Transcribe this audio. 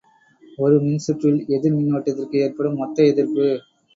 ஒரு மின்சுற்றில் எதிர் மின்னோட்டத்திற்கு ஏற்படும் மொத்த எதிர்ப்பு.